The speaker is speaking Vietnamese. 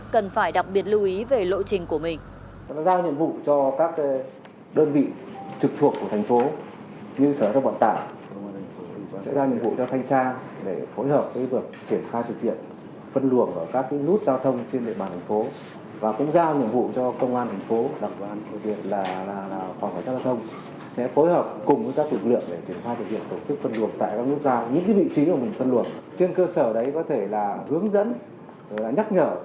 cần phải đặc biệt lưu ý về lộ trình của mình